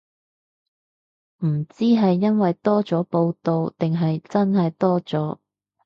唔知係因為多咗報導定係真係多咗